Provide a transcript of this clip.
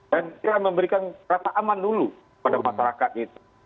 dan kita memberikan rasa aman dulu pada masyarakat itu